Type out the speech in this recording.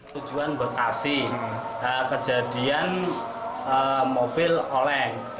tujuan bekasi kejadian mobil oleng